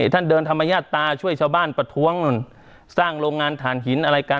ท่านเดินธรรมญาตาช่วยชาวบ้านประท้วงนู่นสร้างโรงงานฐานหินอะไรกัน